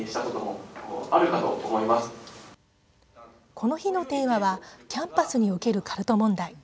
この日のテーマはキャンパスにおけるカルト問題。